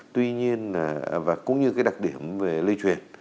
tuy nhiên là và cũng như cái đặc điểm về lây chuyển